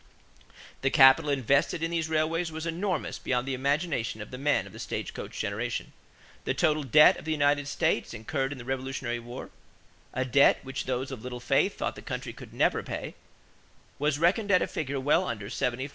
The capital invested in these railways was enormous beyond the imagination of the men of the stagecoach generation. The total debt of the United States incurred in the Revolutionary War a debt which those of little faith thought the country could never pay was reckoned at a figure well under $75,000,000.